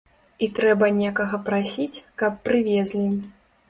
І трэба некага прасіць, каб прывезлі.